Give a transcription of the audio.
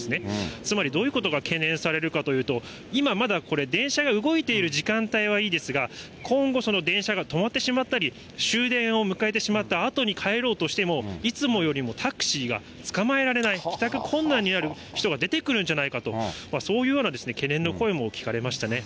つまりどういうことか懸念されるかというと、今まだこれ、電車が動いている時間帯はいいですが、今後、電車が止まってしまったり、終電を迎えてしまったあとに帰ろうとしても、いつもよりもタクシーが捕まえられない、帰宅困難になる人が出てくるんじゃないか、そういうような懸念の声も聞かれましたね。